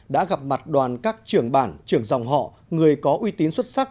đã gặp mặt đoàn các trưởng bản trưởng dòng họ người có uy tín xuất sắc